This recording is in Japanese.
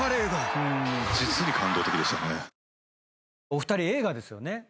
お二人映画ですよね。